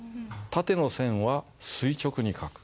縦の線は垂直に書く。